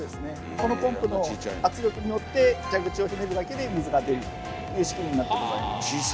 このポンプの圧力によって蛇口をひねるだけで水が出るという仕組みになってございます。